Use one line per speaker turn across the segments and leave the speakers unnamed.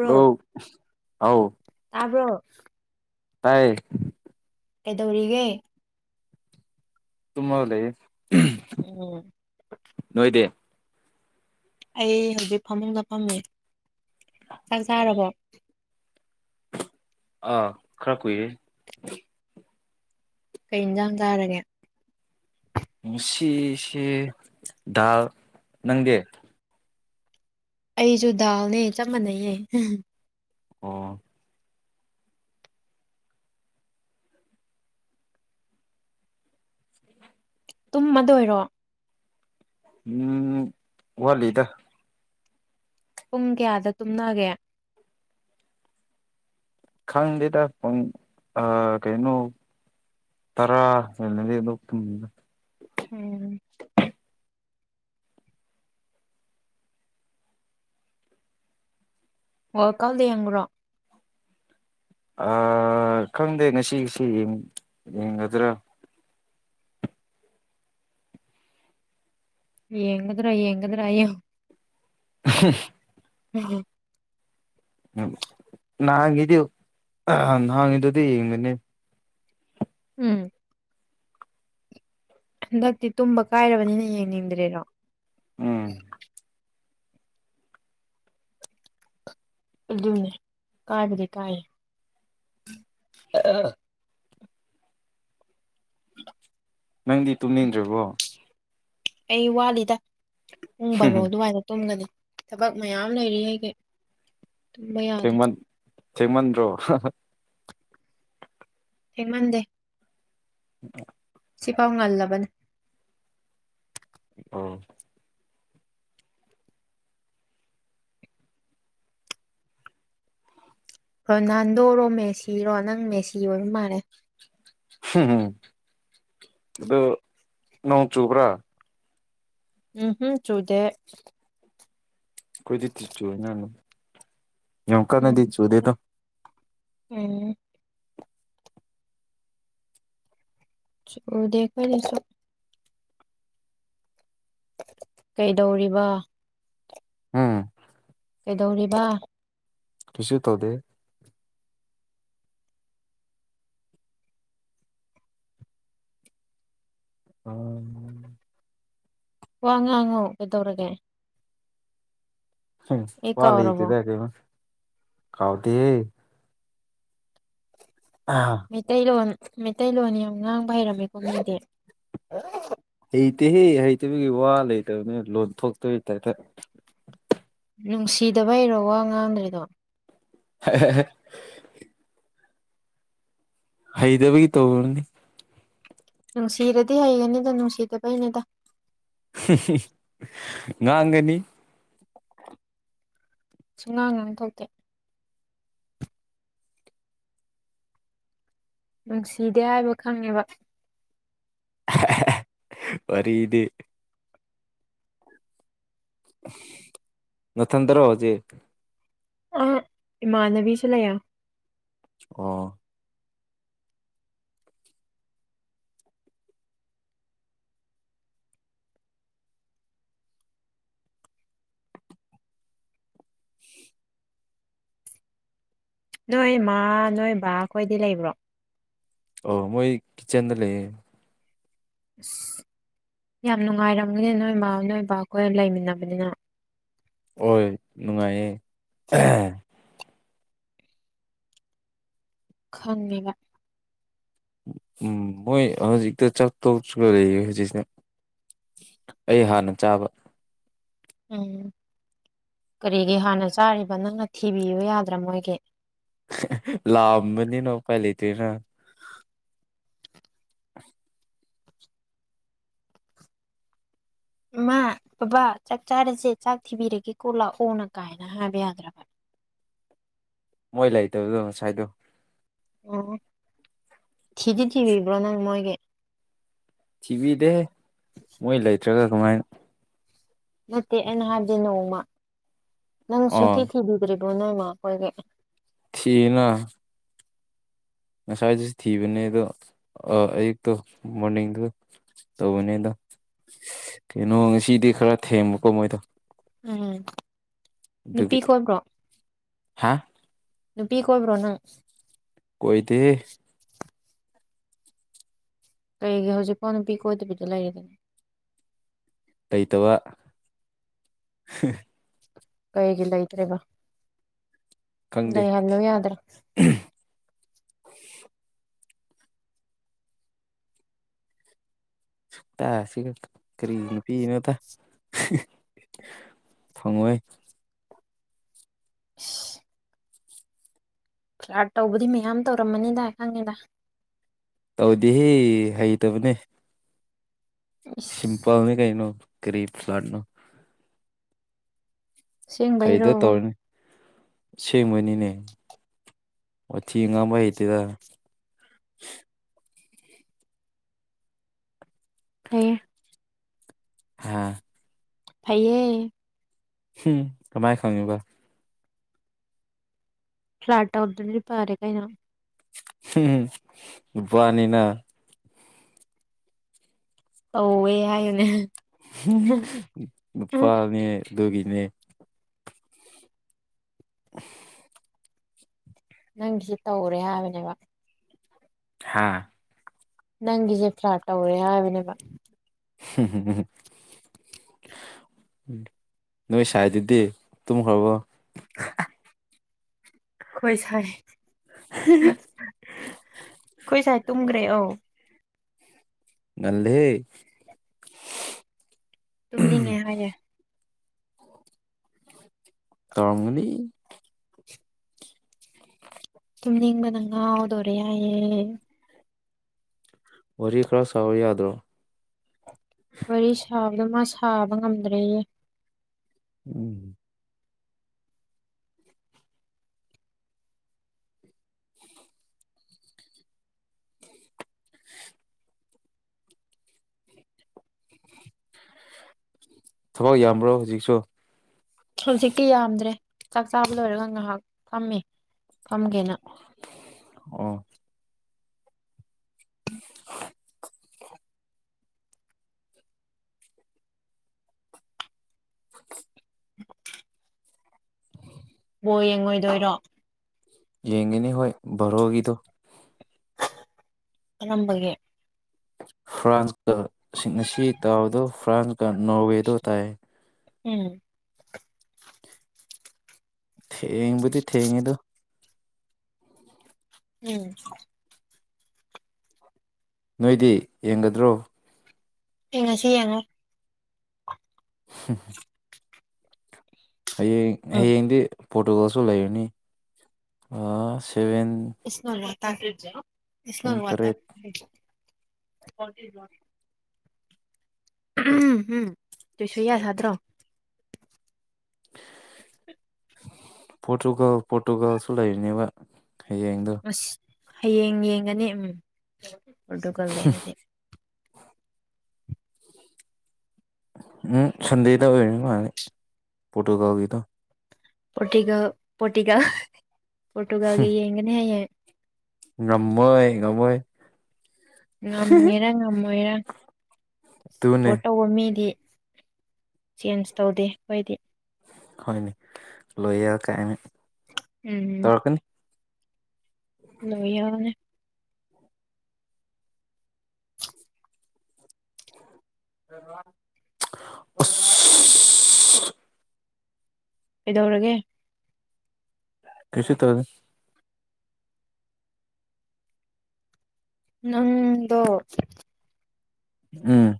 hello ꯍꯥꯎ
ꯇꯥꯕ꯭ꯔꯣ
ꯇꯥꯏꯌꯦ
ꯀꯗꯧꯔꯤꯒꯦ
ꯇꯨꯃ ꯂꯩ
ꯎꯝ
ꯅꯣꯏꯗꯤ
ꯑꯩ ꯍꯧꯖꯤꯛ ꯐꯃꯨꯡꯗ ꯐꯝꯃꯤ ꯆꯥꯛ
ꯑꯣ
ꯆꯥꯔꯕꯣ
ꯑꯥ ꯈꯔ ꯀꯨꯏꯔꯦ
ꯀꯩ ꯏꯟꯖꯥꯡ ꯇꯥꯔꯒꯦ
ꯁꯤꯁꯦ ꯅꯪꯗꯦ
ꯑꯩꯁꯨ ꯗꯥꯜꯅꯦ ꯆꯞ ꯃꯥꯟꯅꯩꯌꯦ
ꯑꯣ
ꯇꯨꯝꯃꯗꯣꯏꯔꯣ
ꯎꯝ ꯋꯥꯂꯤꯗ
ꯄꯨꯡ ꯀꯌꯥꯗ ꯇꯨꯝꯅꯒꯦ
ꯈꯪꯗꯦꯗ ꯐ ꯑ ꯀꯩꯅꯩꯅꯣ ꯇꯔꯥ ꯂꯩꯂꯗꯤ ꯑꯗꯨ
ꯎꯝ ꯑꯣꯀꯜꯗ ꯌꯦꯡꯕ꯭ꯔꯣ
ꯑ ꯈꯪꯗꯦ ꯉꯁꯤꯒꯤꯁꯤ ꯌꯦꯡꯒꯗ꯭ꯔꯥ
ꯌꯦꯉ ꯑꯗꯨꯔꯥ ꯌꯦꯡ ꯑꯗꯨꯔꯣ
[unintelligible]
ꯎꯝ
ꯅꯗꯦ ꯅꯪꯗꯗꯤ ꯌꯦꯗꯅꯦ
ꯎꯝ ꯍꯟꯗꯛꯇꯤ ꯇꯨꯝꯕ ꯀꯥꯏꯔꯕꯅꯤꯅ ꯌꯦꯡꯅꯤꯡꯗ꯭ꯔꯦꯔꯣ
ꯎꯝ
ꯅꯦ ꯀꯥꯏ ꯑꯗꯨꯗꯤ ꯀꯥꯏ ꯑ ꯑ [unintelligible]
ꯅꯪꯗꯤ ꯇꯨꯝꯅꯤꯡꯗ꯭ꯔꯔꯤꯕꯣ
ꯑꯩ ꯋꯥꯠꯂꯤꯗ ꯎꯨꯡꯕꯔꯣ ꯑꯗꯨꯃꯏꯅ ꯇꯨꯝꯒꯅꯤ ꯊꯕꯛ ꯃꯌꯥꯝ ꯂꯩꯔꯤ ꯑꯩꯒꯤꯦ ꯇꯨꯝꯕ ꯌꯥꯗꯦ
ꯁꯤꯃꯟ꯭ꯔꯣ
ꯊꯃꯗꯦ
ꯎꯝ
ꯁꯤꯐꯥꯎ ꯉꯜꯂꯕꯅꯦ
ꯑ
ꯔꯣꯅꯥꯜꯗꯣꯔꯣ ꯃꯦꯁꯤꯔꯣ ꯅꯪ ꯃꯦꯁꯤ ꯑꯣꯏ ꯃꯥꯜꯂꯦ
ꯝ ꯑꯗꯨꯗꯣ ꯅꯣꯡ ꯆꯨꯕ꯭ꯔꯥ
ꯎꯝ ꯍꯝ ꯆꯨꯗꯦ
ꯀꯣꯏꯗꯤ ꯊ ꯆꯨ ꯌꯧ ꯀ
ꯎꯝ
ꯅꯗꯤ ꯆꯨꯗꯦꯇ
ꯎꯝ ꯗꯔꯅꯦꯁꯨꯣ ꯀꯩꯗꯧꯔꯤꯕ
ꯎꯝ
ꯀꯩꯗꯧꯔꯤꯕ
ꯈꯁꯤꯌ ꯇꯧꯗꯦ ꯎꯝ
ꯋꯥꯉꯥꯡꯉꯣ ꯏꯠꯇꯧꯔꯒꯦ
ꯄꯂꯤ
ꯀꯥꯎꯔꯕꯣ
ꯀꯗ ꯀ ꯀꯥꯎꯗꯤ
ꯃꯩꯇꯩꯂꯣꯟ ꯃꯩꯇꯩꯂꯣꯟ ꯌꯥꯝ ꯉꯥꯡꯕ ꯍꯩꯔꯝꯃꯤꯀꯣ ꯃꯣꯏꯗꯤ
ꯍꯩꯇꯦꯍꯦ ꯍꯩꯇꯕꯒꯤ ꯋꯥ ꯂꯩꯇꯕꯅꯤ ꯂꯣꯟꯊꯣꯛꯇꯣꯏ ꯇꯥꯏꯐꯠ
ꯅꯨꯡꯁꯤꯗꯕ ꯍꯔꯣ ꯋꯥ ꯉꯥꯡꯗ꯭ꯔꯤꯗꯣ
[unintelligible] ꯍꯩꯗꯕꯒꯤ ꯇꯅꯤ
ꯅꯨꯡꯁꯤꯔꯗꯤ ꯍꯩꯒꯅꯤꯗ ꯅꯨꯡꯁꯤꯗꯕꯩꯅꯤꯗ
ꯉꯥꯡꯒꯅꯤ
ꯁꯨꯝ ꯉꯥꯡ ꯉꯥꯡ ꯊꯣꯛꯀꯦ ꯅꯨꯡꯁꯤꯗꯦ ꯍꯥꯏꯕ ꯈꯪꯉꯦꯕ
ꯃ ꯏꯗꯤ ꯅꯊꯟꯗ꯭ꯔꯣ ꯍꯧꯖꯤꯦ
ꯑꯥ ꯏꯃꯥ ꯅꯕꯤ ꯆꯂꯌꯥ
ꯑ
ꯅꯣꯏ ꯏꯃꯥ ꯅꯣꯏ ꯕꯥ ꯈꯣꯏꯗꯤ ꯂꯩꯕ꯭ꯔꯣ
ꯑꯣ ꯃꯣꯏꯣꯏ ꯀꯤꯆꯦꯟꯗ ꯂꯩ
ꯑ ꯌꯥꯝ ꯅꯨꯡꯉꯥꯏꯔꯝꯒ ꯅꯣꯏ ꯏꯃ ꯅꯣꯏ ꯏꯕꯈꯣꯏ ꯂꯩꯃꯤꯟꯅꯕꯅꯤꯅ
ꯍꯣꯏ ꯅꯨꯡꯉꯥꯏꯌꯦ
ꯈꯅꯤꯕ
ꯎ ꯃꯣꯏ ꯍꯧꯖꯤꯛꯛꯇ ꯆꯥꯛ ꯇ ꯂꯩꯁꯤꯅ ꯑꯩ ꯍꯥꯟꯅ ꯆꯥꯕ
ꯎꯝ ꯀꯔꯤꯒꯤ ꯍꯥꯟꯅ ꯆꯥꯔꯤꯕ ꯅꯪꯅ ꯊꯤꯕꯤꯌꯨ ꯌꯥꯗ꯭ꯔꯥ ꯃꯣꯏꯒꯤ
ꯂꯑꯝꯕꯅꯤꯅꯣꯄꯥꯏ ꯂꯩꯇ꯭ꯔꯤꯅ [unintelligible]
ꯃꯥ ꯕꯕꯥ ꯆꯥꯛ ꯆꯥꯔꯁꯦ ꯆꯥꯛ ꯊꯤꯕꯤꯔꯒꯦꯀꯣ ꯂꯥꯛꯑꯣꯅ ꯀꯥꯏꯅ ꯍꯥꯏꯕ ꯌꯥꯗ꯭ꯔꯕ
ꯃꯣꯏ ꯂꯩꯇꯕꯗꯣ ꯉꯁꯥꯏꯗꯣ
ꯑꯣ ꯊꯤꯗꯤꯇꯕꯤꯕ꯭ꯔꯣ ꯅꯪ ꯃꯣꯏꯒ
ꯄꯤꯕꯤꯗꯦ ꯃꯣꯏ ꯂꯩꯇ꯭ꯔꯒ ꯀꯃꯥꯏꯅ
ꯅꯠꯇꯦ ꯑꯩꯅ ꯍꯥꯏꯕꯗꯤ ꯅꯣꯡꯃ ꯅꯪ ꯁꯨꯡꯊꯤ
ꯑꯣ
ꯊꯤꯕꯤꯗ꯭ꯔꯦ ꯅꯣꯏ ꯃꯥ ꯀꯣꯏꯒ
ꯊꯅ ꯉꯁꯥꯏꯗꯨꯁꯨ ꯊꯤꯕꯅꯦ ꯑꯗꯣ ꯑꯌꯨꯛꯇꯣ ꯃꯣꯔꯅꯤꯡꯗꯨ ꯇꯧꯕꯅꯦ ꯑꯗꯣ ꯀꯩꯅꯣ ꯉꯁꯤꯗꯤ ꯈꯔ ꯊꯦꯡꯕꯀꯣ ꯃꯣꯏꯗꯣ
ꯎꯝ ꯅꯨꯄꯤ
ꯑꯗꯨꯒꯤ
ꯀꯣꯏꯕ꯭ꯔꯣ
ꯍꯥ
ꯅꯨꯄꯤꯤ ꯀꯣꯏꯕ꯭ꯔꯣꯅ
ꯀꯣꯏꯗꯤ
ꯀꯩꯒꯤ ꯍꯧꯖꯤꯛꯐꯥꯎ ꯅꯨꯄꯤ ꯀꯣꯏꯗꯕꯤꯗꯣ ꯂꯩꯔꯤꯗꯅ
ꯇꯩꯇꯕ
ꯀꯩꯒꯤ ꯂꯩꯇ꯭ꯔꯦꯕ
ꯈꯪꯗꯦ
ꯂꯩꯍꯜꯂꯨ ꯌꯥꯗ꯭ꯔꯥ
[unintelligible] ꯇ ꯁꯤꯒ ꯀꯔꯤꯅ ꯄꯤꯅꯗ ꯊꯪꯉꯣꯏ
[unintelligible] ꯐ꯭ꯂꯥꯠ ꯇꯧꯕꯗꯤ ꯃꯌꯥꯝ ꯇꯧꯔꯝꯃꯅꯤꯗ ꯈꯪꯉꯤꯗ
ꯇꯧꯗꯤ ꯍꯩꯇꯕꯅꯦ
ꯏꯁ
ꯁꯤꯁꯤꯡꯄꯜꯅꯤ ꯀꯩꯅ ꯀꯔꯤ ꯂꯅ
ꯁꯦꯡꯕꯩꯔꯣ
ꯁꯦꯃꯅꯤꯅꯦ ꯃ ꯆꯤ ꯍ ꯉꯝꯕ ꯍꯇꯗ
ꯍ
ꯍꯥꯥ
ꯐꯩꯌꯦ
ꯎꯝ ꯀꯃꯥꯏ ꯈꯪꯉꯕ
ꯐ꯭ꯂꯥꯠ ꯑꯣꯗꯅꯤꯗꯤ ꯄꯥꯔꯦ ꯀꯥꯏꯅ
ꯋꯥꯅꯤꯅ
ꯑꯧ ꯑꯦ ꯍꯥꯏꯅꯦ
ꯅꯨꯄꯥꯥꯅꯦ ꯗꯒꯤꯅꯦ [unintelligible]
ꯅꯪꯒꯤꯁꯤ ꯇꯧꯔꯦ ꯍꯥꯏꯕꯅꯦꯕ
ꯍꯥꯥ
ꯅꯪꯒꯤꯁꯦ ꯐ꯭ꯂꯥꯠ ꯇꯧꯔꯦ ꯍꯥꯏꯕꯅꯦꯕ
ꯍ ꯅꯃꯤ ꯆꯥꯏꯗꯤꯗꯤ ꯇꯝ ꯍꯕꯣ
ꯈꯣꯏ ꯁꯥꯏ ꯈꯣꯏ ꯁꯥꯏ ꯇꯒ ꯇꯔꯦ ꯑꯧ
ꯉꯪꯗꯦ
ꯇꯝꯗꯤꯅꯦ ꯍꯥꯏꯌꯦ
ꯇꯔꯒꯂꯤ
ꯇꯨꯝꯅꯤꯡꯕ ꯅꯉꯗꯣꯔꯦ ꯌꯥꯌꯦ
ꯔꯤ ꯀꯔ ꯁꯥꯎꯔꯤꯗ꯭ꯔꯣ
ꯋꯥꯔꯤ ꯁꯥꯕꯗ ꯃꯥ ꯁꯥꯕ ꯉꯝꯗ꯭ꯔꯦꯌꯦ
ꯎꯝ ꯊꯕꯛ ꯌꯥꯝꯕ꯭ꯔꯣ ꯍꯧꯖꯤꯛꯁꯨ
ꯍꯧꯖꯤꯛꯇꯤ ꯌꯥꯝꯗ꯭ꯔꯦ ꯆꯥꯛ ꯆꯥꯕ ꯂꯣꯏꯔꯒ ꯉꯥꯏꯍꯥꯛ ꯐꯝꯃꯤ ꯀꯝꯒꯤꯅ
ꯑꯣ [unintelligible]
[unintelligible] ꯍ ꯌꯦꯡꯉꯣꯏꯗꯣꯏꯔꯣ
ꯌꯦꯡꯒꯅꯤ ꯍꯣꯏ ꯕꯣꯔꯣꯒꯤꯗꯣ
ꯅꯝꯕꯒꯦ
ꯐ꯭ꯔꯥꯟꯁꯀꯁꯤꯡ ꯑꯁꯤ ꯇꯥꯎꯗꯣ ꯐ꯭ꯔꯥꯟꯁꯀ ꯅꯣꯔꯋꯦꯗꯣ ꯇꯥꯏ
ꯎꯝ
ꯊꯦꯡꯕꯨꯗꯤ ꯊꯦꯡꯉꯦꯗꯨ
ꯎꯝ
ꯅꯣꯏꯗꯤ ꯌꯦꯡꯒꯗ꯭ꯔꯣ
ꯌꯦꯉ ꯁꯤꯉ
ꯍ ꯍꯌꯦꯡ
ꯎꯝ
ꯍꯌꯦꯡꯗꯤ ꯄꯣꯔꯇꯨꯒꯜꯁꯨ ꯂꯩꯔꯅꯤ ꯑ ꯁꯚꯦꯟ
ꯏꯁ ꯅꯣꯠ ꯏꯁ
ꯄꯨꯡ ꯇꯔꯦꯠ
ꯎꯝ ꯎꯝ ꯇꯣꯏꯁꯨꯌꯥ ꯁꯥꯗ꯭ꯔꯣ
ꯄꯣꯔꯇꯨꯒꯜ ꯄꯣꯔꯇꯨꯒꯜ ꯁꯂꯥꯏꯅꯦꯕ
ꯑꯁ ꯍꯌꯦꯡ ꯌꯦꯡꯒꯅꯤ ꯎꯝ ꯄꯣꯔꯇꯨꯒꯜꯗꯔꯗꯤ
ꯎꯝ ꯁꯟꯗꯦꯗ ꯑꯣꯏꯔꯅꯤ ꯃꯥꯅꯤ ꯐꯣꯇꯣꯒꯥꯎꯒꯤꯗꯣ
ꯄꯣꯇꯤꯒ ꯄꯣꯇꯤꯒ ꯄꯣꯇꯨꯒꯒꯤ ꯌꯦꯒꯅꯦ
ꯉꯝꯃꯣꯏ ꯉꯝꯃꯣꯏ
ꯉꯝꯒꯦꯔꯥ ꯉꯝꯃꯣꯏꯔ
ꯑꯗꯨꯅꯦ
ꯁꯞꯄꯣꯔꯠ ꯇꯧꯕ ꯃꯤꯗꯤ ꯆꯦꯟꯖ ꯇꯧꯗꯦ ꯑꯩꯣꯏꯗꯤ
ꯍꯣꯏꯅꯦ ꯂꯣꯏ ꯀꯥꯏ
ꯎꯝ ꯎꯝ ꯂ ꯌꯥꯅꯦ
ꯑꯣ
ꯀꯩꯗꯧꯔꯒꯦ
ꯀꯁꯨ ꯇꯖ
ꯅꯪꯗꯣ
ꯎꯝ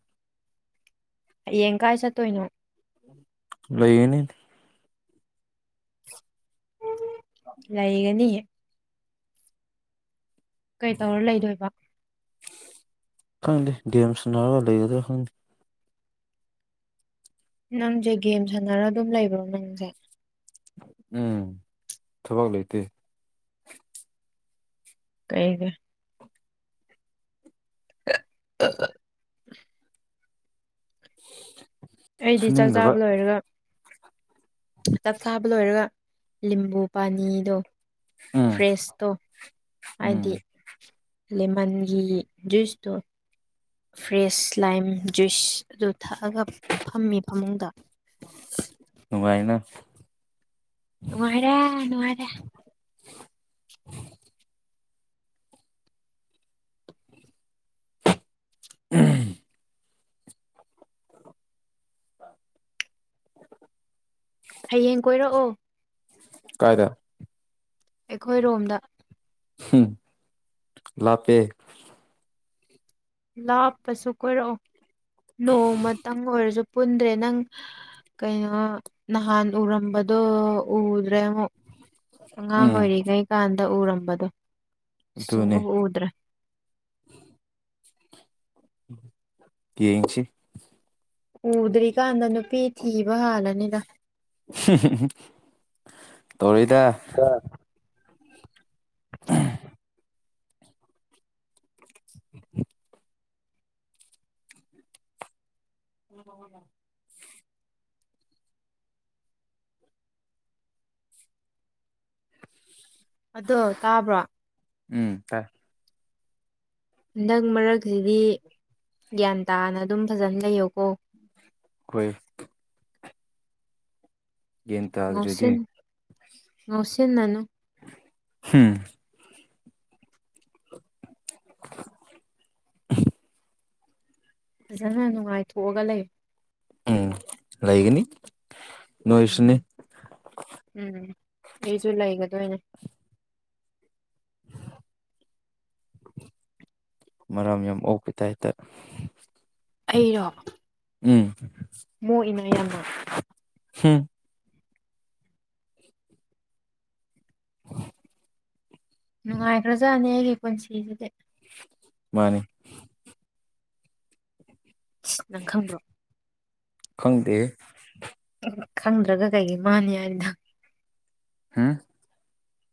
ꯍꯌꯦꯡ ꯀꯥꯏ ꯆꯠꯇꯣꯏꯅꯣ
ꯂꯣꯏꯅꯤ
ꯂꯩꯒꯅꯤꯌꯦ ꯀꯩ ꯇꯧꯔ ꯂꯩꯗꯣꯏꯕ
ꯈꯪꯗꯦ ꯒꯦꯦꯝꯁꯅꯥꯒ ꯂꯩꯒꯗ꯭ꯔꯥ ꯈꯪꯅꯤꯦ
ꯅꯪꯁꯦ ꯒꯦꯝ ꯁꯥꯟꯅꯔ ꯑꯗꯨꯝ ꯂꯩꯕ꯭ꯔꯣ ꯅꯪꯁꯦ
ꯎꯝ ꯊꯕꯛ ꯂꯩꯇꯦ
ꯀꯩꯒ ꯑ ꯑꯩꯗꯤ ꯆꯥꯛ
ꯁꯨꯅꯤꯡꯗꯕ
ꯆꯥꯕ ꯂꯣꯏꯔꯒ ꯆꯥꯛ ꯆꯥꯕ ꯂꯣꯏꯔꯒ ꯂꯤꯝꯕꯨ ꯄꯥꯅꯤꯗꯣ
ꯎꯝ
ꯐ꯭ꯔꯦꯁꯇꯣ
ꯎꯝ
ꯍꯥꯏꯗꯤ ꯂꯦꯃꯟꯒꯤ ꯖꯨꯏꯁꯇꯣ ꯐ꯭ꯔꯦꯁ ꯂꯥꯏꯝ ꯖꯨꯏꯁ ꯑꯗꯨ ꯊꯛꯑꯒ ꯐꯝꯃꯤ ꯐꯃꯨꯡꯗ
ꯅꯨꯡꯉꯥꯏꯅ
ꯅꯨꯡꯉꯔꯦ ꯅꯨꯡꯉꯔꯦ
ꯎꯝ
ꯍꯌꯦꯡ ꯀꯣꯏꯔꯛꯑꯣ
ꯀꯥꯏꯗ
ꯑꯩꯈꯣꯏꯔꯣꯝꯗ
ꯎꯝ ꯂꯄꯦ
ꯂꯥꯞꯄꯁꯨ ꯀꯣꯏꯔꯛꯑꯣ ꯅꯣꯡꯃꯇꯪ ꯑꯣꯏꯔꯁꯨ ꯄꯨꯟꯗ꯭ꯔꯦ ꯅꯪ ꯀꯩꯅꯣ ꯅꯍꯥꯟ ꯎꯔꯝꯕꯗꯣ ꯎꯗ꯭ꯔꯦ ꯑꯃꯨꯛ ꯑꯉꯥꯡ
ꯎꯝ
ꯑꯣꯏꯔꯤꯉꯩꯀꯥꯟꯗ ꯎꯔꯝꯕꯗꯣ
ꯑꯗꯨꯅꯦ
ꯁꯨꯡꯒ ꯎꯗ꯭ꯔ
ꯌꯦꯡꯁꯤ
ꯎꯗ꯭ꯔꯤꯀꯥꯟꯗ ꯅꯨꯄꯤ ꯊꯤꯕ ꯍꯥꯜꯂꯅꯤꯗ
ꯇꯔꯤꯗ [unintelligible] [unintelligible] ꯑꯣ
ꯑꯗꯣ ꯇꯥꯕ꯭ꯔꯣ
ꯎꯝ ꯇ
ꯍꯟꯗꯛ ꯃꯔꯛꯁꯤꯗꯤ ꯒ꯭ꯌꯥꯟ ꯇꯥꯅ ꯑꯗꯨꯝ ꯐꯖꯅ ꯂꯩꯌꯣꯀꯣ
ꯑꯩꯈꯣꯏ ꯌꯦꯟꯇ ꯑꯗꯨ꯭ꯔꯗꯤ
ꯃꯣꯁꯤ ꯅꯅ
ꯍꯝ [unintelligible]
ꯐꯖꯅ ꯅꯨꯡꯉꯥꯏꯊꯣꯛꯑꯒ ꯂꯩ
ꯎꯝ ꯂꯩꯒꯅꯤ ꯅꯣꯏꯁꯨꯅꯤ
ꯎꯝ ꯎꯝ ꯑꯩꯁꯨ ꯂꯩꯒꯗꯅꯦ
[unintelligible] ꯃꯔꯝ ꯌꯥꯝ ꯑꯣꯄꯤ ꯇꯥꯏꯇ
ꯑꯩꯔꯣ
ꯎꯝ
ꯃꯣꯏ ꯏꯃꯥ ꯌꯥꯝꯅ
ꯍꯝ [unintelligible]
ꯅꯨꯡꯉꯥꯏꯈ꯭ꯔꯖꯥꯠꯅꯤ ꯑꯩꯒꯤ ꯄꯨꯟꯁꯤꯁꯤꯗꯤ
ꯃꯥꯅꯦ
ꯅꯪ ꯈꯪꯕ꯭ꯔꯣ
ꯈꯪꯗꯦ
ꯈꯪꯗ꯭ꯔꯒ ꯀꯩꯒꯤꯩ ꯃꯥꯅꯤ ꯍꯥꯏꯗꯪ
ꯍꯥꯝ